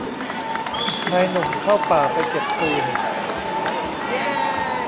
ชายหนุ่มเข้าป่าไปเก็บฟืน